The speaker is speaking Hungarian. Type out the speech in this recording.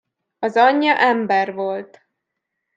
Az anyja ember volt.